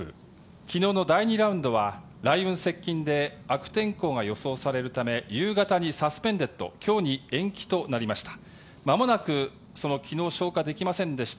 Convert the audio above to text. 昨日の第２ラウンドは雷雲接近で悪天候が予想されるため夕方にサスペンデッド今日に延期となりました。